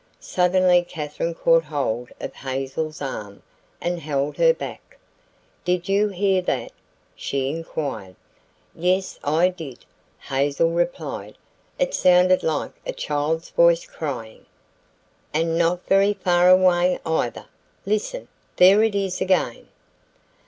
Suddenly Katherine caught hold of Hazel's arm and held her back. "Did you hear that?" she inquired. "Yes, I did," Hazel replied. "It sounded like a child's voice, crying." "And not very far away, either. Listen; there it is again."